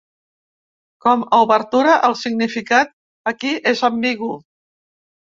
Com a "Obertura", el significat aquí és ambigu.